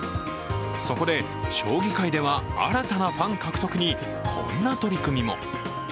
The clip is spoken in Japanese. そこで将棋界では新たなファン獲得に、こんな取り組みも。